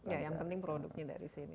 ya yang penting produknya dari sini